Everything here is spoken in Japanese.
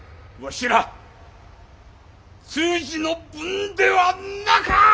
わしら通詞の分ではなか！